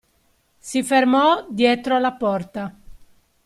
Si fermò dietro la porta.